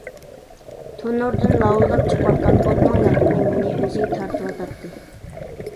تونۇردىن لاۋۇلداپ چىقىۋاتقان ئوتنىڭ يالقۇنى مېنى ئۆزىگە تارتىۋاتاتتى.